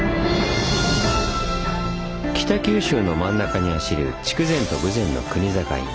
北九州の真ん中に走る筑前と豊前の国境。